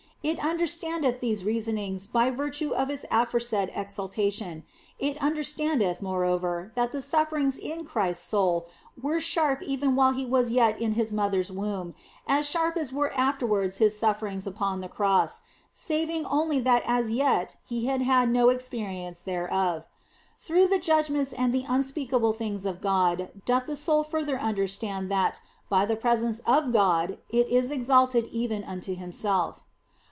It understandeth these reasonings by virtue of its aforesaid exaltation ; it understandeth, more over, that the sufferings in Christ s soul were sharp even while He was yet in His mother s womb, as sharp as were afterwards His sufferings upon the Cross, saving only that as yet He had had no experience thereof. Through the judgments and the unspeakable things of God doth the soul further understand that by the presence of God it is exalted even unto Himself.